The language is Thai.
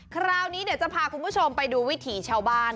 คราวนี้เดี๋ยวจะพาคุณผู้ชมไปดูวิถีชาวบ้าน